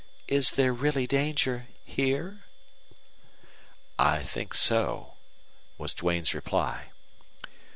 Is there really danger here?" "I think so," was Duane's reply.